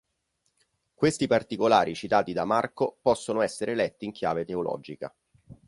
Questi particolari citati da "Marco" possono essere letti in chiave teologica.